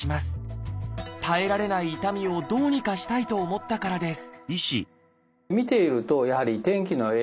耐えられない痛みをどうにかしたいと思ったからです